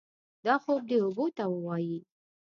دا خوب دې اوبو ته ووايي.